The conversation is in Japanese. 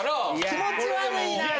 気持ち悪いなぁ！